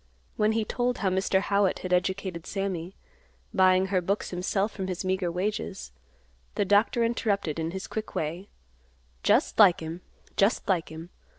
When he told how Mr. Howitt had educated Sammy, buying her books himself from his meager wages, the doctor interrupted in his quick way, "Just like him! just like him.